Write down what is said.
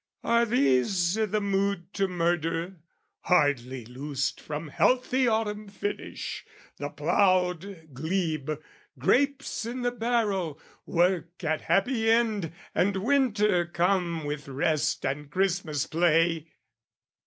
Are these i' the mood to murder, hardly loosed From healthy autumn finish, the ploughed glebe, Grapes in the barrel, work at happy end, And winter come with rest and Christmas play?